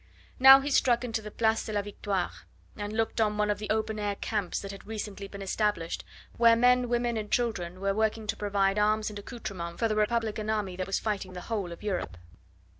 Now he struck into the Place de la Victoire, and looked on one of the open air camps that had recently been established where men, women, and children were working to provide arms and accoutrements for the Republican army that was fighting the whole of Europe.